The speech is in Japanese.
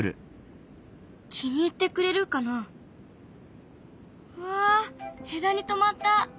気に入ってくれるかな？わ枝にとまった。